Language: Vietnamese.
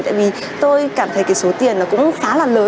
tại vì tôi cảm thấy cái số tiền nó cũng khá là lớn